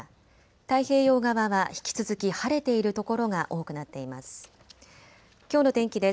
太平洋側は引き続き晴れている所が多くなっています。